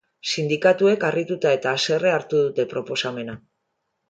Sindikatuek harrituta eta haserre hartu dute proposamena.